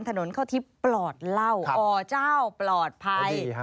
ถนนเข้าทิพย์ปลอดเหล้าอเจ้าปลอดภัย